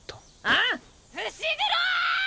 ああっ⁉伏黒！